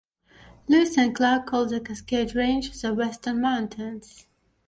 Lewis and Clark called the Cascade Range the "Western Mountains".